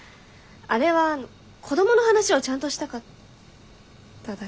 あれは子どもの話をちゃんとしたかっただけで。